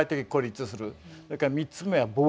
それから３つ目は亡命。